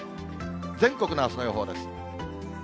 全国のあすの予報です。